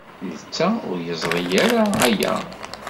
Netta ur yeẓri ara aya.